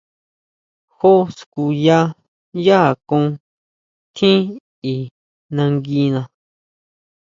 Jó skuya yá akón tjín i nanguina.